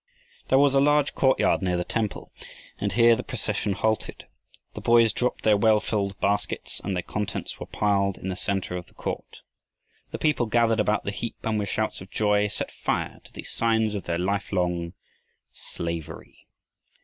There was a large courtyard near the temple and here the procession halted. The boys dropped their well filled baskets, and their contents were piled in the center of the court. The people gathered about the heap and with shouts of joy set fire to these signs of their lifelong slavery.